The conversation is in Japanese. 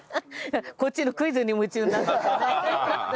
こっちのクイズに夢中になっちゃった。